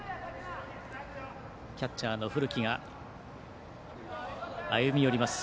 キャッチャーの古木が歩み寄りました。